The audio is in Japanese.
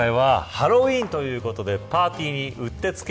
今回はハロウィーンということでパーティーにうってつけ。